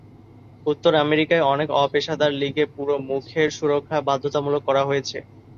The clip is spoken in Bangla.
উত্তর আমেরিকায় অনেক অপেশাদার লীগে পুরো মুখের সুরক্ষা বাধ্যতামূলক করা হয়েছে।